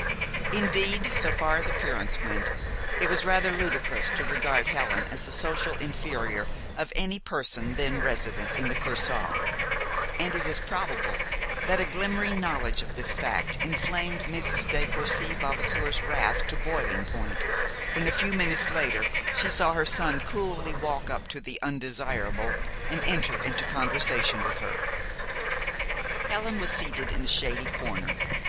Indeed, so far as appearance went, it was rather ludicrous to regard Helen as the social inferior of any person then resident in the Kursaal, and it is probable that a glimmering knowledge of this fact inflamed Mrs. de Courcy Vavasour's wrath to boiling point, when a few minutes later, she saw her son coolly walk up to the "undesirable" and enter into conversation with her. Helen was seated in a shady corner.